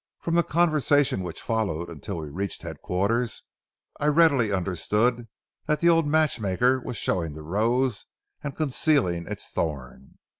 From the conversation which followed until we reached headquarters, I readily understood that the old matchmaker was showing the rose and concealing its thorn.